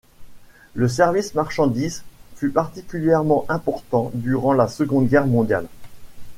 Le service marchandise fut particulièrement important durant la Seconde Guerre mondiale.